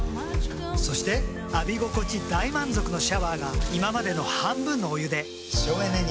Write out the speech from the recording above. そして浴び心地大満足のシャワーが今までの半分のお湯で省エネに。